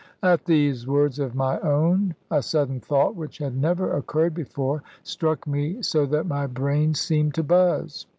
At these words of my own, a sudden thought, which had never occurred before, struck me so that my brain seemed to buzz.